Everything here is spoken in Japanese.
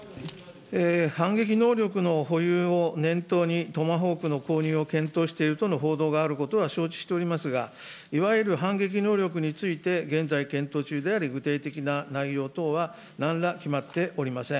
反撃能力の保有を念頭にトマホークの購入を検討しているとの報道があることは承知しておりますが、いわゆる反撃能力について現在検討中であり、具体的な内容等はなんら決まっておりません。